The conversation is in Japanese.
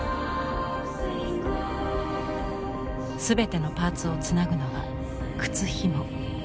全てのパーツをつなぐのは靴ひも。